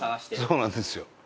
そうなんですよ。